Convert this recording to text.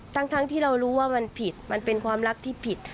ทั้งที่เรารู้ว่ามันผิดมันเป็นความรักที่ผิด